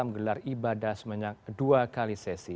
menggelar ibadah sebanyak dua kali sesi